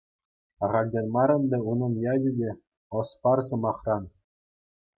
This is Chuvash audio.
Ахальтен мар ӗнтӗ унӑн ячӗ те — «ӑс пар» сӑмахран.